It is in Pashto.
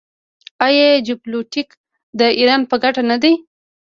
آیا جیوپولیټیک د ایران په ګټه نه دی؟